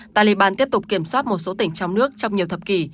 taliban tiếp tục kiểm soát một số tỉnh trong nước trong nhiều thập kỷ